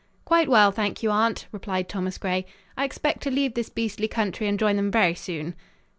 "Quite well, thank you, aunt," replied Thomas Gray. "I expect to leave this beastly country and join them very soon."